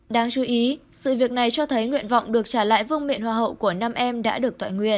đáng chú ý sự việc này cho thấy nguyện vọng được trả lại vương miệng hoa hậu của năm em đã được tọa nguyện